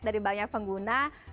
dari banyak pengguna